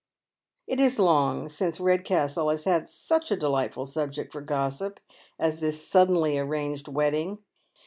It is long since Redcastle has had such a delightful subject foi gossip as this suddenly arranged wedding.